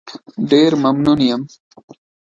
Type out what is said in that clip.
ډېر ممنون یم.